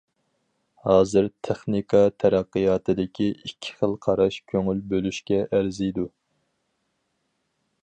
ھازىر تېخنىكا تەرەققىياتىدىكى ئىككى خىل قاراش كۆڭۈل بۆلۈشكە ئەرزىيدۇ.